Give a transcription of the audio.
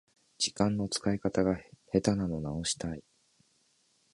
時間の使い方が下手なのを直したい